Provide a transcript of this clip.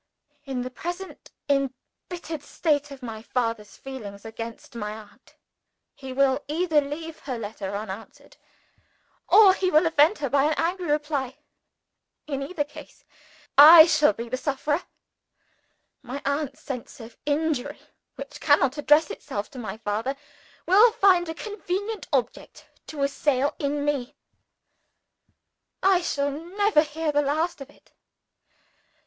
In the present embittered state of my father's feelings against my aunt, he will either leave her letter unanswered, or he will offend her by an angry reply. In either case, I shall be the sufferer: my aunt's sense of injury which cannot address itself to my father will find a convenient object to assail in me. I shall never hear the last of it.